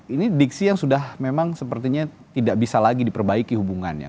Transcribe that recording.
ini diksi yang sudah memang sepertinya tidak bisa lagi diperbaiki hubungannya